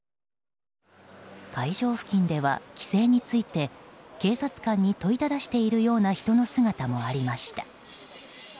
会場付近では規制について警察官に問いただしているような人の姿もありました。